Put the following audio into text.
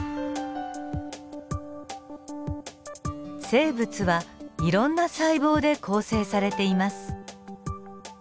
生物はいろんな細胞で構成されています。